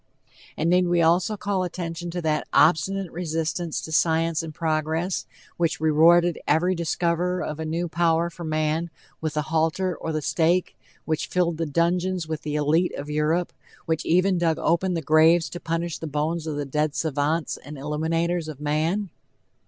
And need we also call attention to that obstinate resistance to science and progress, which rewarded every discoverer of a new power for man, with the halter or the stake, which filled the dungeons with the elite of Europe, which even dug open graves to punish the bones of the dead savants and illuminators of man?